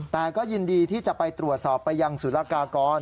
แต่ก็ยินดีที่จะไปตรวจสอบไปยังสุรกากร